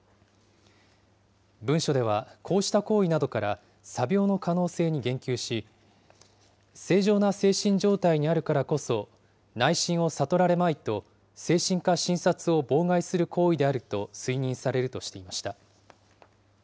文書では、こうした行為などから、詐病の可能性に言及し、正常な精神状態にあるからこそ、内心を悟られまいと、精神科診察を妨害する行為であると推認されるとしていました。